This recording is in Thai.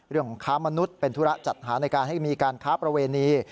ค้ามนุษย์เป็นธุระจัดหาในการให้มีการค้าประเวณี